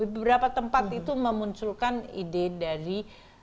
beberapa tempat itu memunculkan ide dari